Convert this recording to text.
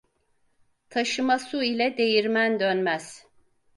Taşıma su ile değirmen dönmez.